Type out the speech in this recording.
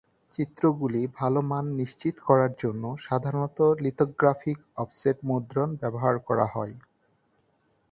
চিত্রগুলি ভাল মান নিশ্চিত করার জন্য সাধারণত লিথোগ্রাফিক অফসেট মুদ্রণ ব্যবহার করা হয়।